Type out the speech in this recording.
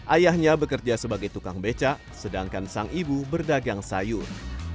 ayahnya bekerja sebagai tukang becak sedangkan sang ibu berdagang sayur